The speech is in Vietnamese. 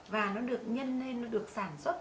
và nó được nhân lên nó được sản xuất